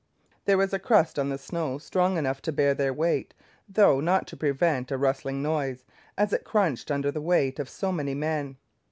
There was a crust on the snow strong enough to bear their weight, though not to prevent a rustling noise, as it crunched under the weight of so many men.